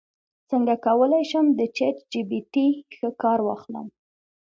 څنګه کولی شم د چیټ جی پي ټي ښه کار واخلم